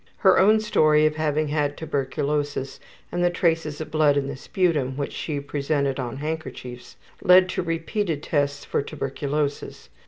Her own story of having had tuberculosis, and the traces of blood in the sputum, which she presented on handkerchiefs, etc., led to repeated tests for tuberculosis.